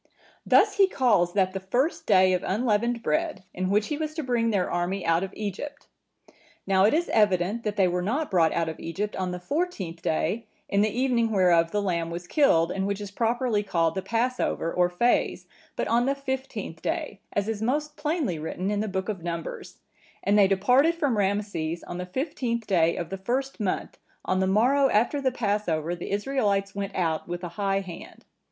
"Thus he calls that the first day of unleavened bread, in which he was to bring their army out of Egypt. Now it is evident, that they were not brought out of Egypt on the fourteenth day, in the evening whereof the lamb was killed, and which is properly called the Passover or Phase, but on the fifteenth day, as is most plainly written in the book of Numbers:(958) 'and they departed from Rameses on the fifteenth day of the first month, on the morrow after the Passover the Israelites went out with an high hand.